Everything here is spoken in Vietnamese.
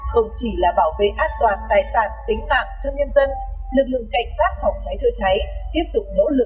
không chỉ là bảo vệ an toàn tài sản tính mạng cho nhân dân lực lượng cảnh sát phòng cháy chữa cháy tiếp tục nỗ lực